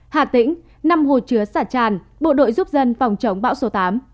hà tĩnh năm hồ chứa xả tràn bộ đội giúp dân phòng chống bão số tám